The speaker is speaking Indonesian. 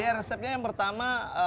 ya resepnya yang pertama